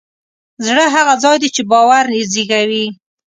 زړه هغه ځای دی چې باور زېږوي.